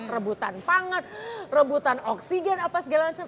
rebutan pangan rebutan oksigen apa segala macam